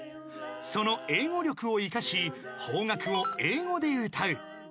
［その英語力を生かし邦楽を英語で歌う］